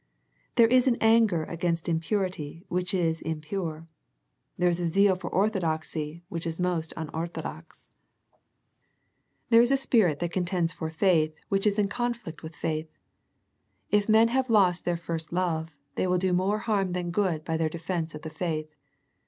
There is an anger against impurity which is impure. There is a zeal for orthodoxy which is most unorthodox. The Ephesus Letter 47 There is a spirit that contends for faith which is in conflict with faith. If men have lost their first love, they will do more harm than good by their defence of the faith.